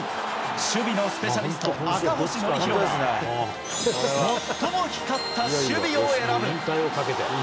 守備のスペシャリスト、赤星憲広が最も光った守備を選ぶ。